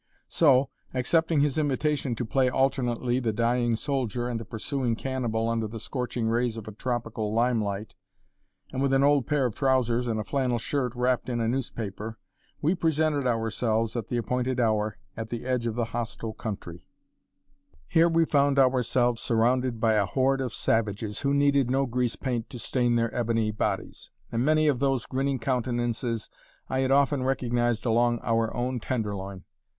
So, accepting his invitation to play alternately the dying soldier and the pursuing cannibal under the scorching rays of a tropical limelight, and with an old pair of trousers and a flannel shirt wrapped in a newspaper, we presented ourselves at the appointed hour, at the edge of the hostile country. [Illustration: (street scene)] Here we found ourselves surrounded by a horde of savages who needed no greasepaint to stain their ebony bodies, and many of whose grinning countenances I had often recognized along our own Tenderloin.